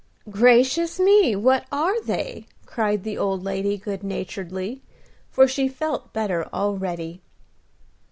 "Gracious me, what are they?" cried the old lady, good naturedly, for she felt better already.